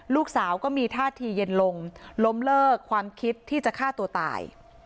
ลูกสาวก็มีท่าทีเย็นลงล้มเลิกความคิดที่จะฆ่าตัวตาย